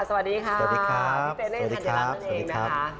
สวัสดีค่ะพี่เปเลทธัญรัตน์นั่นเองนะคะ